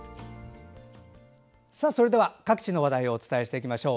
それでは各地の話題をお伝えしていきましょう。